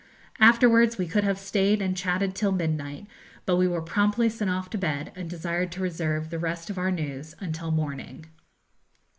Afterwards we could have stayed and chatted till midnight, but we were promptly sent off to bed, and desired to reserve the rest of our news until morning.